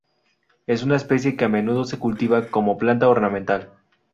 Es una especie que a menudo se cultiva como planta ornamental.